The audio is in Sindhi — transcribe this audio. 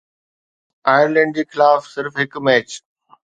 آئرلينڊ جي خلاف صرف هڪ ميچ